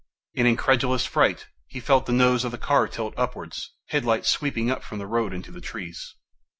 In incredulous fright, he felt the nose of the car tilt upwards, headlights sweeping up from the road into the trees.